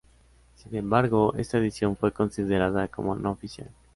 Sin embargo, esta edición fue considerada como "no oficial".